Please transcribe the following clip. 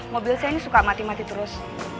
mobil saya ini suka mati mati terus